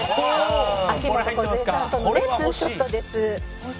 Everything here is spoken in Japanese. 秋元梢さんとのねツーショットです。